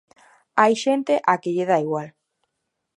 Hai xente á que lle dá igual.